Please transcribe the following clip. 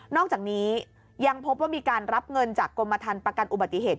อกจากนี้ยังพบว่ามีการรับเงินจากกรมทันประกันอุบัติเหตุ